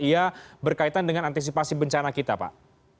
ya berkaitan dengan antisipasi bencana kita pak